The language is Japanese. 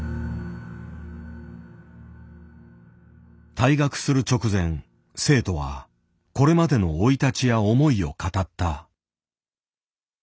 退学する直前生徒はこれまでの生い立ちや思いを語った。